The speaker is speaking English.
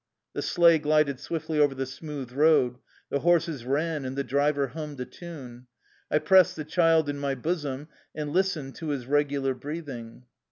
The sleigh glided swiftly over the smooth road. The horses ran, and the driver hummed a tune. I pressed the child in my bosom, and listened to his regular breathing.